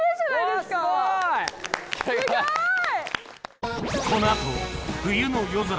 すごい！